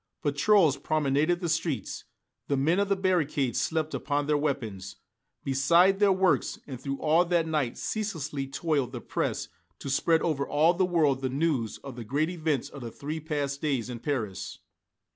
Patrols promenaded the streets, the men of the barricades slept upon their weapons, beside their works, and through all that night ceaselessly toiled the press to spread over all the world the news of the great events of the three past days in Paris.